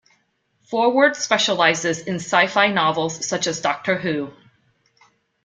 Forward specialises in sci-fi novels such as Doctor Who.